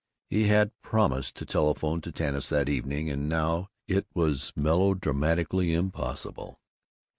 He had promised to telephone to Tanis that evening, and now it was melodramatically impossible.